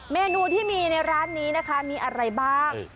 เมนูที่มีในร้านนี้นะคะมีอะไรบ้าง